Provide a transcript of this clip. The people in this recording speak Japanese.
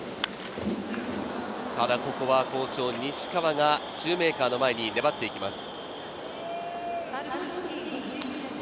ただここは好調の西川がシューメーカーの前に粘っていきます。